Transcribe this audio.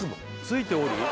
「ついており」